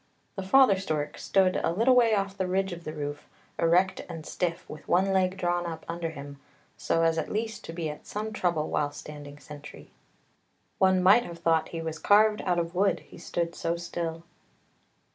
The father stork stood a little way off on the ridge of the roof, erect and stiff, with one leg drawn up under him, so as at least to be at some trouble while standing sentry. One might have thought he was carved out of wood, he stood so still